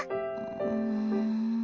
うん。